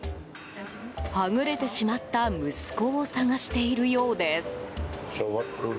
はぐれてしまった息子を捜しているようです。